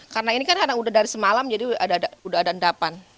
karena ini kan karena udah dari semalam jadi udah ada dendapan